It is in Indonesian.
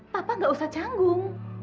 bapak gak usah canggung